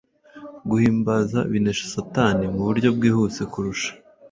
Guhimbaza binesha Satani mu buryo bwihuse kurusha